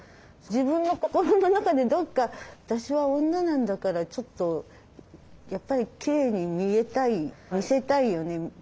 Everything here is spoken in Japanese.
自分の心の中でどっか「私は女なんだからちょっとやっぱりきれいに見えたい見せたいよね